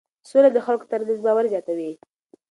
سوله د خلکو ترمنځ باور زیاتوي.